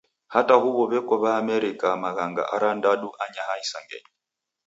Hata huw'o w'eko W'aamerika maghana arandadu anyaha isangenyi.